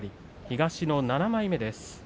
東の７枚目です。